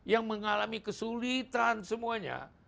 yang mengalami kesulitan semuanya